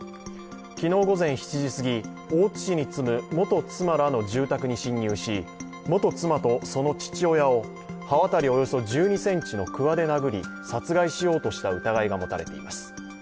昨日午前７時すぎ、大津市に住む元妻らの住宅に侵入し元妻とその父親を刃渡りおよそ１２ｃｍのくわで殴り、殺害しようとした疑いが持たれています。